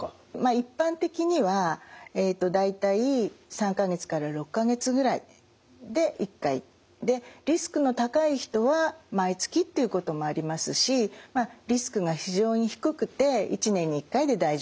一般的には大体３か月から６か月ぐらいで１回リスクの高い人は毎月っていうこともありますしリスクが非常に低くて１年に１回で大丈夫だっていう人もいらっしゃいます。